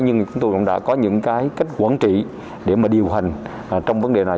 nhưng chúng tôi cũng đã có những cái cách quản trị để mà điều hành trong vấn đề này